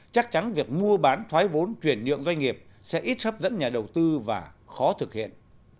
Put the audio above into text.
chắc chắn việc mua bán thoái vốn chuyển nhượng doanh nghiệp sẽ ít hấp dẫn nhà đầu tư và khó thực hiện